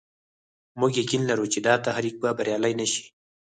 موږ يقين لرو چې دا تحریک به بریالی نه شي.